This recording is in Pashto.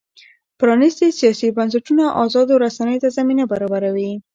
پرانیستي سیاسي بنسټونه ازادو رسنیو ته زمینه برابروي.